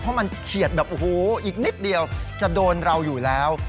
เพราะมันเฉียดแบบโอ้โหอีกนิดเดียวจะโดนเราอยู่แล้ว